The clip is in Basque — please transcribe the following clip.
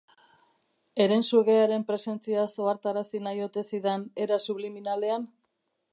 Herensugearen presentziaz ohartarazi nahi ote zidan era subliminalean?